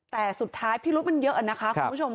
แต่สุดท้ายพิรุษมันเยอะนะคะคุณผู้ชม